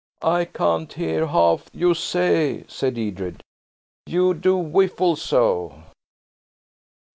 "I can't hear half you say," said Edred. "You do whiffle so."